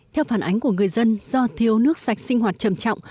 theo phản ánh của người dân do thiếu nước sạch sinh hoạt trầm trọng